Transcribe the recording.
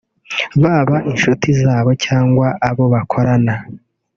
baba incuti zabo cyangwa abo bakorana